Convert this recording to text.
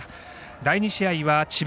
第２試合は智弁